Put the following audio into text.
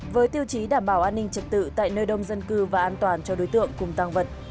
với tiêu chí đảm bảo an ninh trật tự tại nơi đông dân cư và an toàn cho đối tượng cùng tăng vật